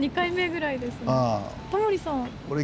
タモリさんは？